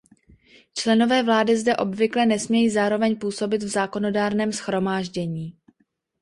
Členové vlády zde obvykle nesmějí zároveň působit v zákonodárném shromáždění.